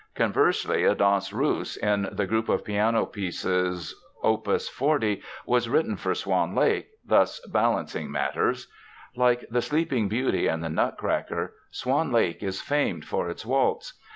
Conversely, a Danse Russe in the group of piano pieces, Op. 40, was written for Swan Lake, thus balancing matters. Like The Sleeping Beauty and The Nutcracker, Swan Lake is famed for its waltz.